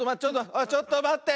おいちょっとまって！